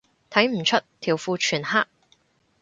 睇唔出，條褲全黑